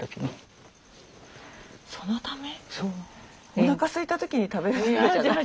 おなかすいた時に食べるとかじゃ。